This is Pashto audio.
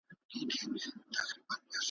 پر پردي قوت چي وکړي حسابونه ,